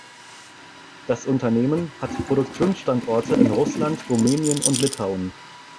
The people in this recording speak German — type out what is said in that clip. Das Unternehmen hat Produktionsstandorte in Russland, Rumänien und Litauen.